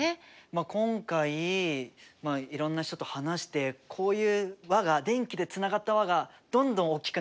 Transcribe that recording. まあ今回まあいろんな人と話してこういう輪が電気でつながった輪がどんどん大きくなればいいなって思ったね。